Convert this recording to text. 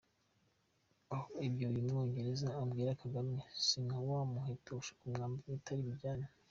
Aho ibyo uyu mwongereza abwira Kagame si nka wa muheto ushuka umwabi bitaribujyane?